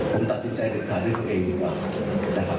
ผมตัดสินใจเด็ดขาดด้วยตัวเองดีกว่านะครับ